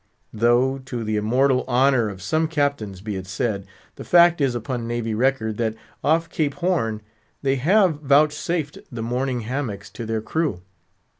Though, to the immortal honour of some captains be it said, the fact is upon navy record, that off Cape Horn, they have vouchsafed the morning hammocks to their crew.